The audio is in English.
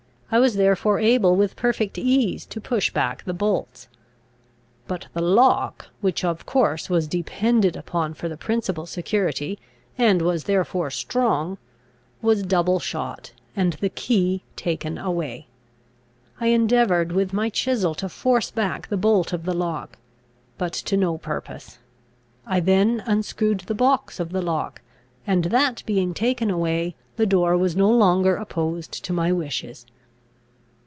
I was therefore able with perfect ease to push back the bolts. But the lock, which of course was depended upon for the principal security, and was therefore strong, was double shot, and the key taken away. I endeavoured with my chisel to force back the bolt of the lock, but to no purpose. I then unscrewed the box of the lock; and, that being taken away, the door was no longer opposed to my wishes.